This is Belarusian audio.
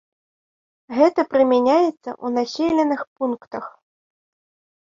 Гэта прымяняецца ў населеных пунктах.